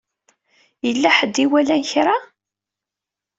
Yella ḥedd i iwalan kra?